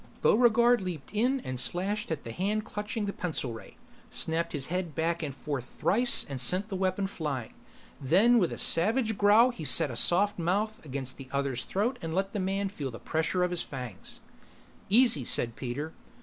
Buregarde leaped in and slashed at the hand clutching the pencil ray, snapped his head back and forth thrice and sent the weapon flying. Then with a savage growl he set a soft mouth against the other's throat and let the man feel the pressure of his fangs. "Easy," said Peter.